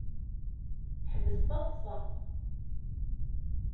Ḥbes taḍsa.